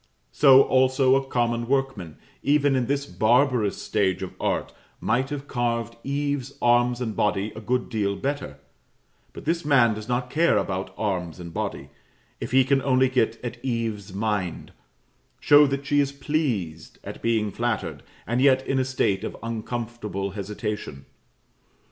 So also a common workman, even in this barbarous stage of art, might have carved Eve's arms and body a good deal better; but this man does not care about arms and body, if he can only get at Eve's mind show that she is pleased at being flattered, and yet in a state of uncomfortable hesitation.